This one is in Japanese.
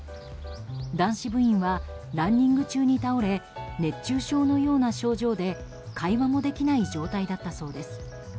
男子部員はランニング中に倒れ熱中症のような症状で会話もできない状態だったそうです。